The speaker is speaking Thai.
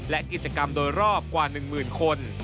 และกิจกรรมโดยรอบกว่า๑หมื่นคน